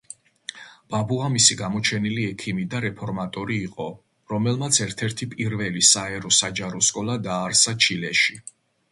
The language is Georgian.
ბაბუამისი გამოჩენილი ექიმი და რეფორმატორი იყო, რომელმაც ერთ-ერთი პირველი საერო საჯარო სკოლა დააარსა ჩილეში.